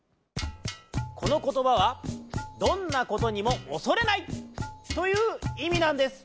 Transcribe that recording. このことばはどんなことにもおそれない！といういみなんです。